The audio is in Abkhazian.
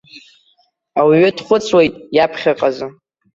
Ауаҩы дхәыцуеит иаԥхьаҟазы.